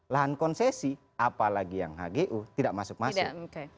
lahan konsesi apalagi yang hgu tidak masuk masuk